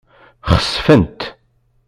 Xesfent.